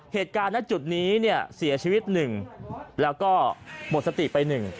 เหตุการณ์ในจุดนี้เสียชีวิต๑แล้วก็หมดสติไป๑